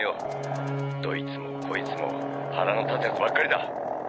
「どいつもこいつも腹の立つ奴ばっかりだ！」